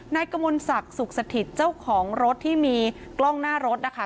กมลศักดิ์สุขสถิตเจ้าของรถที่มีกล้องหน้ารถนะคะ